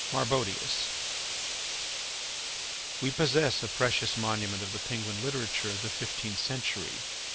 MARBODIUS We possess a precious monument of the Penguin literature of the fifteenth century.